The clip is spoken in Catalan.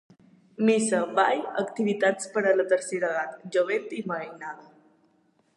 Missa, ball, activitats per a la tercera edat, jovent i mainada.